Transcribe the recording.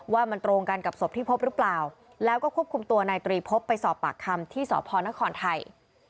ว่ามันตรงกันกับศพที่พบหรือเปล่าแล้วก็ควบคุมตัวนายตรีพบไปสอบปากคำที่สพนครไทย